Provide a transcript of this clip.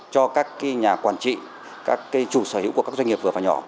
cho các nhà quản trị các chủ sở hữu của các doanh nghiệp vừa và nhỏ